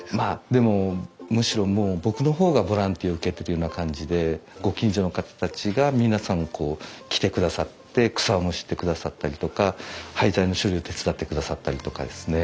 でもむしろもう僕の方がボランティアを受けてるような感じでご近所の方たちが皆さん来てくださって草をむしってくださったりとか廃材の処理を手伝ってくださったりとかですね。